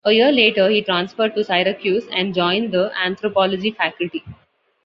A year later he transferred to Syracuse and joined the anthropology faculty.